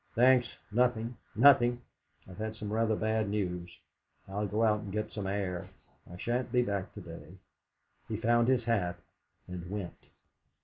"Thanks; nothing, nothing. I've had some rather bad news. I'll go out and get some air. I shan't be back to day." He found his hat and went.